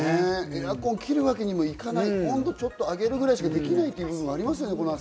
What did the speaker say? エアコン切るわけにもいかない、温度をちょっと上げることしかできないってこともありますよね。